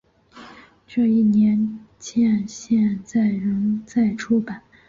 这一年鉴现在仍在出版。